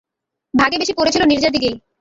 ভাগে বেশি পড়েছিল নীরজার দিকেই।